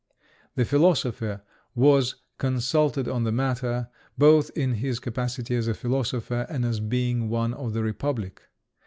The philosopher was consulted on the matter, both in his capacity as a philosopher and as being one of the Republic.